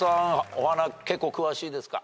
お花結構詳しいですか？